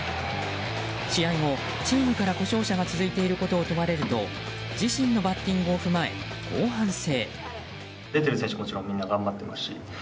試合後、チームから故障者が続いていることを問われると自身のバッティングを踏まえこう反省。